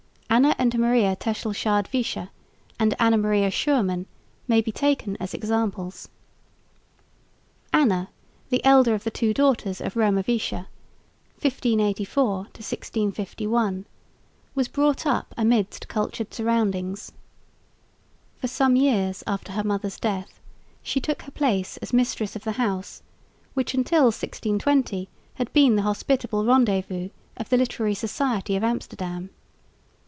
Anna and Maria Tesselschade Visscher, and Anna Maria Schuurman may be taken as examples. Anna, the elder of the two daughters of Roemer Visscher (1584 1651), was brought up amidst cultured surroundings. For some years after her mother's death she took her place as mistress of the house which until 1620 had been the hospitable rendezvous of the literary society of Amsterdam.